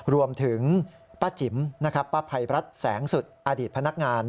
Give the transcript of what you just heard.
รวมถึงป้าจิ๋มนะครับป้าภัยรัฐแสงสุดอดีตพนักงาน